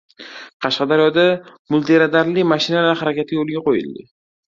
Qashqadaryoda multiradarli mashinalar harakati yo‘lga qo‘yildi